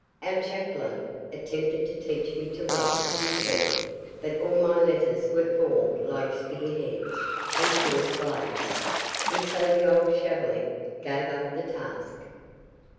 "Our chaplain attempted to teach me to write," he said, "but all my letters were formed like spear heads and sword blades, and so the old shaveling gave up the task."